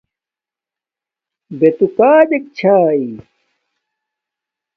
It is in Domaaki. بے توُ کجک چھݴݷ